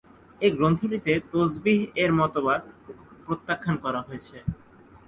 এই গ্রন্থটিতে তসবিহ্-এর মতবাদ প্রত্যাখ্যান করা হয়েছে।